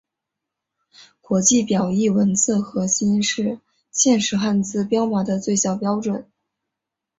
国际表意文字核心是现时汉字编码的最小标准。